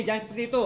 jangan seperti itu